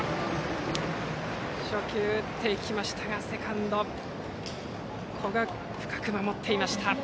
初球打っていきましたがセカンドの古賀が深く守っていた。